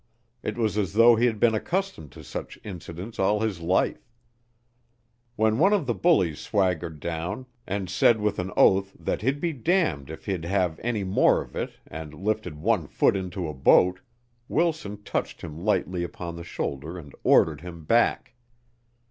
It was as though he had been accustomed to such incidents all his life. When one of the bullies swaggered down and said with an oath that he'd be damned if he'd have any more of it and lifted one foot into a boat, Wilson touched him lightly upon the shoulder and ordered him back.